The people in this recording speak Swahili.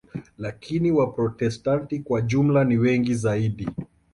Lakini Waprotestanti kwa jumla ni wengi zaidi.